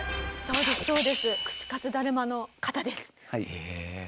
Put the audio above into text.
へえ。